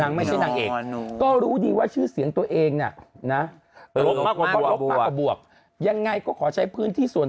นางไม่ใช่อย่างเองก็รู้ดีว่าชื่อเสียงตัวเองนะน